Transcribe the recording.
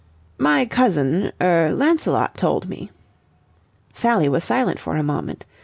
"My cousin er Lancelot told me." Sally was silent for a moment.